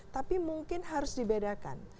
tapi mungkin harus dibedakan